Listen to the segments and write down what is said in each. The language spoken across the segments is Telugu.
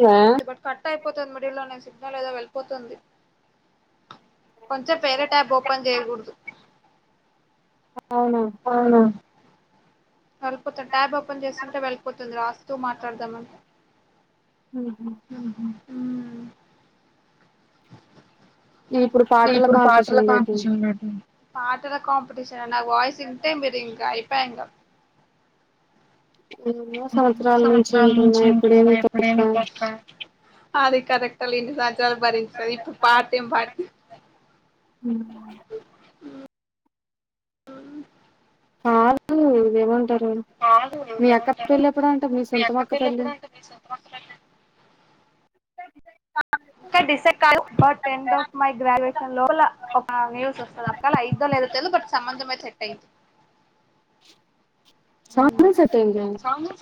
వ్యా బట్ కట్ అయిపోతాది మిడిల్లోనె సిగ్నల్ ఏదో వెళ్ళిపోతుంది. కొంచెప్ వేరే ట్యాబ్ ఓపెన్ చేయకూడదు. అవునా వెళ్ళపోతుంది ట్యాబ్ ఓపెన్ చేసుకుంటె వెళ్ళిపోతుంది రాస్తూ మాట్లాడదామంటె ఉహు ఇప్పుడు ఎ పాటల ఇప్పుడు పాటల కాంపిటీషన్ పెట్టింది కాంప్టిషన్ పెట్టింది. పాట్ టల కాం పుడిషా నా వాయిస్ ఇంటే మీరు ఇం గ అయిపయే ఇంగ ఎన్నో సంవత్సరాల నుంచి ఉంటున్నా ఎప్పుడేమి తొక్క మ్మ్ కాదు ఇదేమంటారు కాదు నువ్వు మీ అక్క జరంటారు పెళ్ళి ఎప్పుడంట [inaudible] మీ సొంతం అక్క పెళ్ళి పెళ్లేప్పుడంట మీ సొంతమక్క [inaudible] ఇంకా డిసైడ్ కాలే but end of my graduation లో ఒక న్యూస్ వస్తదక్క అలా అయిదో లేదో తెలీదు బట్ సంబంధం అయితే చానా సెట్ అయిందా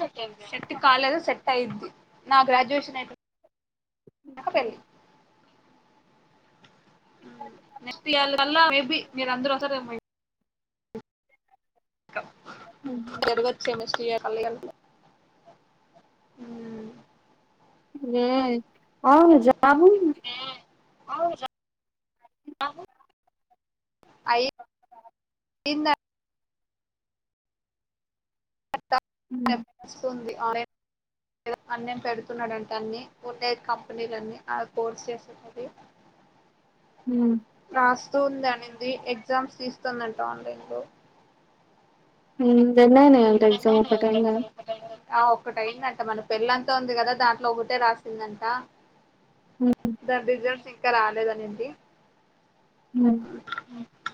సెట్టై సెట్ కాలేదు సెట్ అయిద్ది నా గ్రాడ్యుయేషన్ అయితే నక పెళ్ళి నెక్స్ట్ [unintelligible] మేబి మీరు అందరూ వస్తారు ఏమో ఉహు. జరువత్ సమస్య కళ్ళు [inaudible] మ్మ్ ఏ అవును జాము అవుర అవు ఐ అయిందా [inaudible] స్తుంది ఆ ఏదో అన్నేం పెడుతున్నాడంటా అన్ని ఉండే కంపెనీలన్నీ ఆ కోర్స్ చేస్తుంటది రాస్తూ ఉందనింది ది ఎగ్జామ్స్ తీస్తుందంట ఆన్లైన్లో రెండయినాయంట ఎగ్జామ్ ఒకటైందా ఆ ఒక్కటయింది అం ట మన పెళంతా ఉంది కదా దాంట్లో ఒకటే రాసిందంట దాని రిజల్ట్స్ ఇంకా రాలేదనింది మ్మ్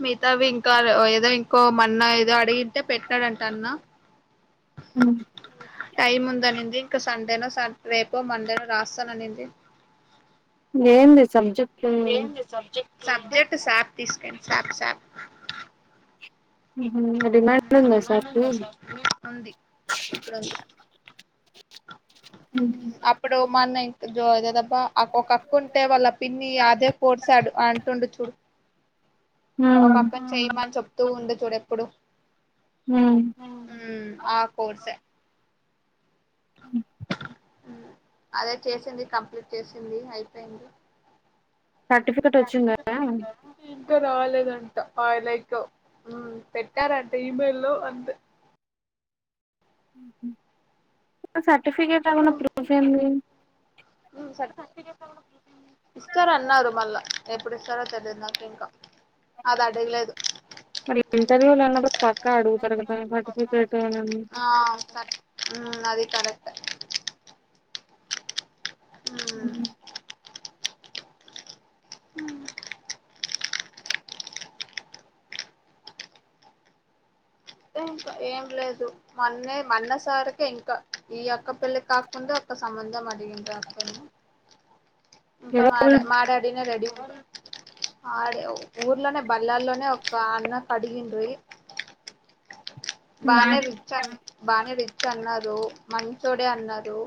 మీ తవింకారు ఓ ఏదో ఇంకో మన్న ఏదో [unintelligible] తే పెట్టాడంట తన్న మ్మ్ టైమ్ ఉందనింది ఇంకా సండే నో సాట్ రేపో మండే నో రాస్తాననింది ఏంది సబ్జెక్ట్ ఏంది సబ్జెక్టు సాత్ సాత్ మ్మ్ హు డిమాండ్ ఉందసలికి ఉంది ఇప్పుడు ఉంది అప్పుడు మొన్న ఇత్ జొదెదబ్బా అక్ ఒకక్క ఉంటే వాళ్ళ పిన్ని అదే కోర్సాడు అంటుండు, చూ ఒక అక్కని చేయమని చెప్ తో ఉండె చూడె ప్పుడు ఆ కోర్సే హ్ అదే చేసింది కంప్లీట్ చేసింది, అయిపైంది. సర్టిఫికెట్ వచ్చిందా ఇంకా రాలేదండ్. ట్ పైలెక్ హు పెట్టారంటే ఈమెయిల్ లో అంతె స ర్టిఫికెట్ ఏమన్న ప్రూఫ్ ఏంది. ఇస్తారా అన్నారు మళ్ళా, ఎప్పుడు ఇస్సారో తెలిద్ నాకింకా అద్ అడగలేదు. తెలివి లేండదు. పక్క అడుగుతరు కదా సర్టిఫికెటు ఆ కరెక్ట్ మ్ అది కరెక్ట్ మ్ హు ఉ తే ఇంకా ఏం లేదు మొన్నె మన్నసారికి ఇంకా, ఈ అక్క పెళ్లి కాకుండా ఒక్క సంబంధం అడిగింర క ఇంకా ఎవరు మార మారడిన రెడి ఆడి ఊర్లోనే బల్లాల్లోనే ఒక అన్నకు అడిగిండ్రి బానే రిచ్చన్ బానే రి అన్నారు. మంచోడే అన్నారు.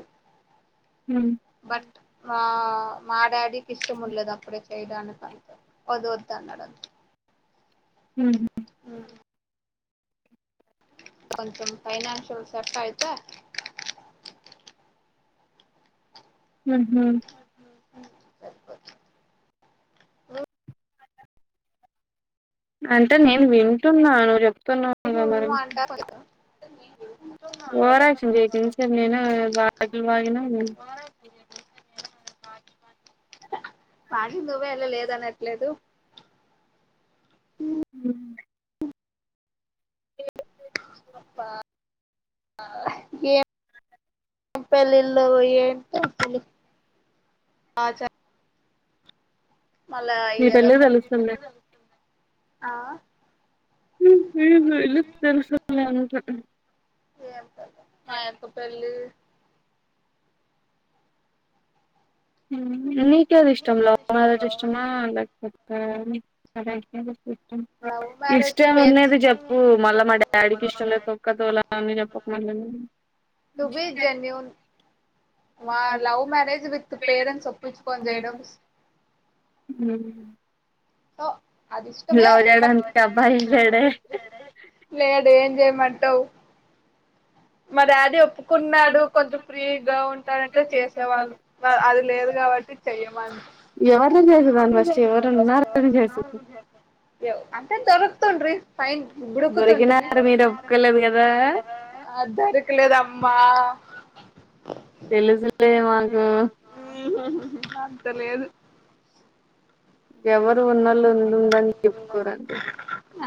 హు బట్ మా మా డాడికి ఇష్టములేదు అప్పుడె ఎడనుకా వద్ వద్దు అన్నడ హు ఉ కొంచం ఫైనాన్షియల్ సెట్ ఆయితే హుహూ సరిపో అంటే నేను వింటున్నాను చె [unintelligible] మరి అంటా ఓవరెక్షన్ జెయకుఇంతసెప్ నెనే వాగిల్ వాగిన వాగింది నువ్వే లే లేదనట్లేదు మ్ ఏం.. ఏం పెళ్లిళ్లో ఏంటొ తల్లి ఆచా మళ్ళా నీ ఇదేదొ పెళ్ళి తెలుస్తుంది ఆ.... ఇలు తెలుస ఉంట ఏం పెళ్ళి మా యొక్క [unintelligible] పెళ్ళి మ్ నీకు ఏది ఇష్టం లవ్ మెరేజ్ ఇష్టమా లేకపోతే ఎరేంజ్ మెరేజ్ మ్ హు లవ్ హూ మ్యారేజ్ తో ఇష్టం పేరెంట్స్ ఉన్నది చెప్పూ మళ్ళా మా డాడీకి ఇష్టం లేదు తొక్క తోలు అని చెప్పుకు మళ్ళీ నువు టూ బి జన్యూన్ మా లవ్ మ్యారేజ్ విత్ పేరంట్స్ మళ్ళీ ఒప్పించుకోని చేయడం మ్ ఒ అది ఇష్టమే బట్ అబ్బాయి లేడే లేడు ఏంచెయ్ మ ఔ మా డాడీ ఒప్పుకున్నాడు న్నాడు కొంచెం ఫ్రీగా అంటే ఉంటాడంటే చేసాం చేసేవాళ్ళు వాళ్ళు అది లేదు కాబట్టి చెయ్యమని ఎవరిని చేసుదాని ఫస్ట్ [unintelligible] అంతేనా దొరక్ తుండ్రీ ఫైన్ బుడుకుతుంటుంది దొరికినారు మీరు ఒప్పుకోలేదు కదా దొరకలేదమ్మా తెలుసు లే మాకు అంత లేదు ఎవరు ఉన్నోళ్ళు ఉందని చెప్పుకోరండి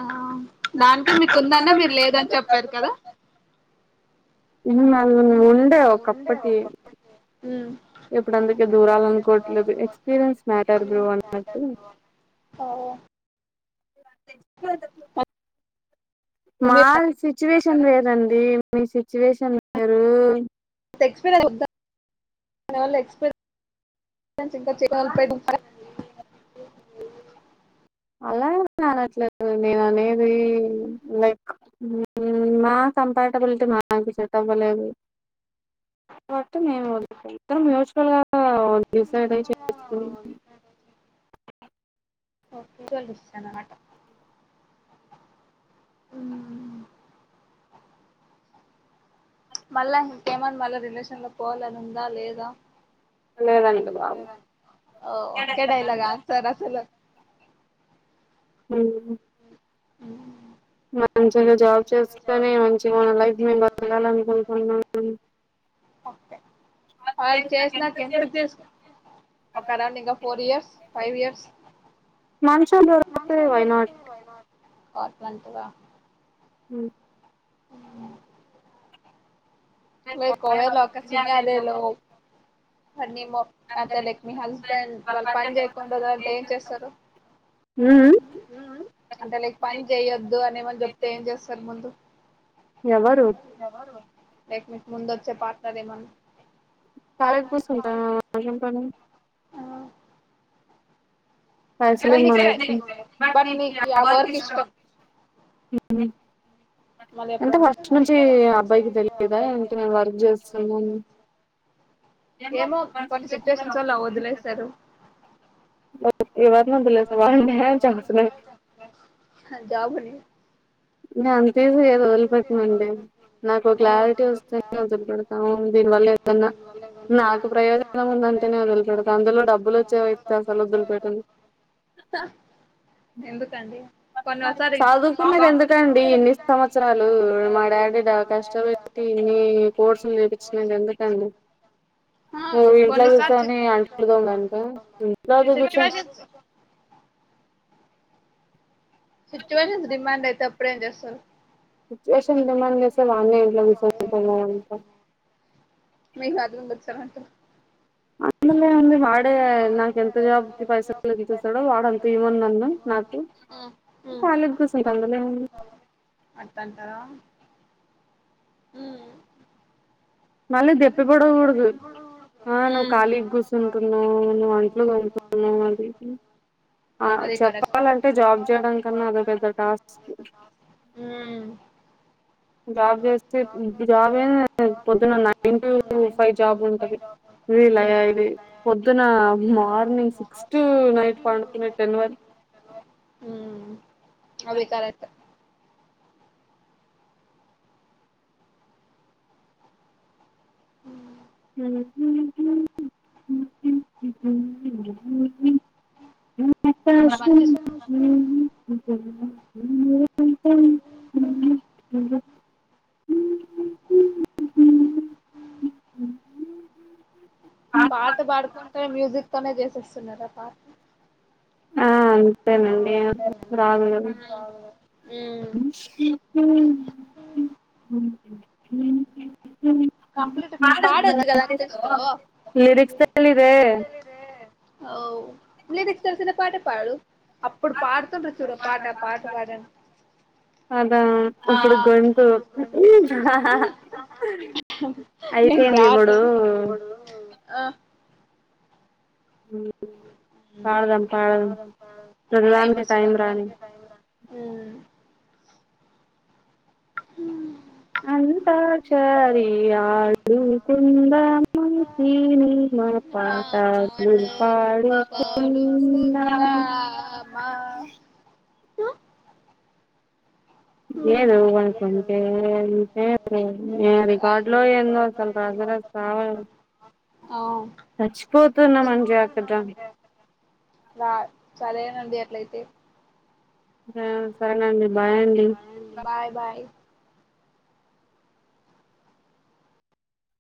ఆమ్ దానికి మీకు ఉందన్న మీరు లేదని చెప్పారు కదా [unintelligible] ఉండె ఒకప్పటి ఇప్పుడందుకే దూరాలనుకోట్లేదు ఎక్స్పీరియన్స్ మ్యాటర్ బ్రో అన్నట్టు [unintelligible] [inaudible] మా సిచువేషన్ లేేదండీ మీ సిచ్యువేషన్ వేరు ఎక్స్పీరన్స్ ద్ధనే వాళ్లు ఎక్స్పీరన్స్ [inaudible] అలా అనట్లేదు నేను అనేదీ లైక్ మా కంపాటబిలిటీ మాకు సెట్ అవ్వలేదు కాబట్టి మేము ఇద్దరం మ్యూచువల్ గా డిసైడ్ అయి చేప్పేసుకున్నాము ఓకే చలిచ్చ నాటా [unintelligible] హుమ్మ్ మళ్ళా ఇంకేమన్నా మళ్ళా రిలేషన్ లో పోవాలని ఉందా లేదా లేదండి బాబు ఒకే డైలాగ్ ఆన్సర్ అసలు ఉహ్మ్ ఉహ్మ్ మంచిగా జాబ్ చేస్కోని మంచిగా మన లైఫ్ మేము బతకలాలనుకుంకూన్నా ఓకే వాళ్ళు చేసినక ఎంతసుకో ఒక అరౌండ్ ఇంకా ఫోర్ ఇయర్స్, ఫైవ్ ఇయర్స్ మంచోరుకుతే వైనాట్ అట్లాంతర ఉహ్మ్ లైక్ ఒకవేళ ఒక సినదేలో. అన్నిలో అంటే లైక్ మీ హస్బెండ్ వాళ్ళు పని చేయకుడాదు అంటే ఏం చేస్తారు. అంటే లైక్ పని చేయొద్దు అనివాళ్ళు చెప్తే ఏం చేస్తారు ముందు. ఎవరు లైక్ మీకు ముందు వచ్చే పార్ట్నర్ ఏమన్నా. కలిగాకుసుంటను ఏం పని ఆ, కానీ నీకు పైసలున్నొడేతే. చ బట్ నీకు ఆ వర్క్ ఇష్టం మళ్ళీ ఎప్పుడంటే చెప్పి అబ్బాయికి తెలియదా ఏంటి నేను వర్క్ చేస్తున్నాను ఏమో కొన్ని సిచ్యువేషన్స్ వాల్ల వదిలేస్తారు. బ ఆహా జాబ్ నేను అంతసి ఏది వదిలిపెట్టనండి. నాకు హ క్లారిటీ వస్తేే వదిలిపెడతాను. దీని వల్ల ఏదన్నా నాకు ప్రయోజనం ఉందంటే. నేను వదిలిపెడతాం అందులో డబ్బులు వచ్చే వ్యతే అసలు వదిలిపెట్టడి. హా ఎందుకండి కొన్ని ఒకసారి చదువుకునేది కాం ఎందుకండి. ఇన్ని సంవత్సరాలు మా డాడీడా కష్టపెట్టి ఇన్ని కోర్సులు నేర్పించినది ఎందుకండి. ఆ నువ్ ఇంట్లో కొన్నిసార్లు సి కూసోని అంట్లుతొమదానిక తోమడానికా. సిచ్యువేషన్స్ సిచ్యూవేషన్స్ డిమాండ్ అయితేప్ అప్పుడేంచేస్తరు. సిచ్యూవేషన్ డిమాండ్ చేస్తే వాళ్లే ఇంట్ల కుసోని తిన్నావ్ అం మీకు అర్థం అందులోముంది వాడే నాకు ఎంత జాబ్కిి పైసాించూస్తాడో వాడ అంతే ఇమన్నాం నాకి వచ్చారంటారు కాలీ కుసుంట అందులోముంది. అన్ తంటారా ఉహ్మ్ మళ్ళీ దెప్పి పొడవకూడదు ఆ నువ్వు ఉహ్మ్ ఖాళీగా కూర్చుంటున్నావు నువ్వు అంట్లు తోముతున్నావు అది ఇది ఆ ఆది కరెక్ట్ చెప్పాలంటే జాబ్ చేయడం కన్నా అదో పెద్ద టాస్క్ ఉహ్మ్ జాబ్ చేస్తే ఉత్ జాబ్ ఐన ఏ పొద్దునా లే ఎన్ ఫైవ్ జాబ్ ఉంటంది. ఉమ్ ఉమ్ వీలది పొద్దున మార్నింగ్ సిక్స్ టు నైట్ పండుకున్నా టెన్ వరకి ఉహ్మ్ అవి కరెక్టే ఉహ్మ్ ఉహ్ మళ్ళ మంచి పాట ఆకాశం పాడుకుంటనే మ్యూజిక్ తోనే చేసేస్తున్నారా పాట ఆ అంతేనండి రాదు ఉమ్ హమ్ కంప్లీట్ పాడొచ్చు కదా అట్లీస్ట్ అఓ లిరిక్స్ తెల్సిన పాట పాడు అప్పుడు పాడుతుండ చూడ పాట పాట పాడను ఆ ఇప్పుడు గొంతు ఉం అయిపోయింది ఇప్పుడు రాట్లేదా ఉమ్ టైం ప్రతిదానికి వచ్చ రాని ఉమ్ హమ్ అంతా క్షారి ఆడు కుందాం సినిమా మా పాటలు పాటలు పాడుకున్నామ పాడుకుందామా తు లేదు వార్క్ కుంటేే రికార్డు లో ఏందో అసలు రాజరాస్ చావ ఆ చచ్చిపోతున్నామంటే అక్కడ డిట్లాయితే ఆ సరేనండి బాయ్ అండి బాయ్ బాయ్